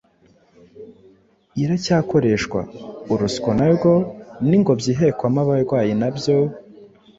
iracyakoreshwa. Urusyo narwo n’ingobyi ihekwamo abarwayi nabyo